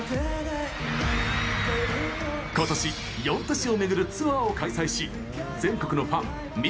今年４都市を巡るツアーを開催し全国のファンみ！